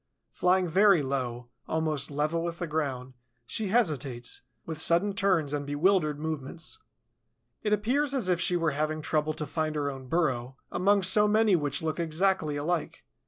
Flying very low, almost level with the ground, she hesitates, with sudden turns and bewildered movements. It appears as if she were having trouble to find her own burrow among so many which look exactly alike.